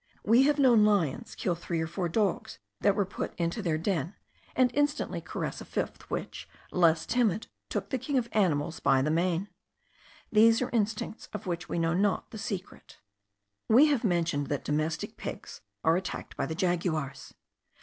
We have known lions kill three or four dogs that were put into their den, and instantly caress a fifth, which, less timid, took the king of animals by the mane. These are instincts of which we know not the secret. We have mentioned that domestic pigs are attacked by the jaguars.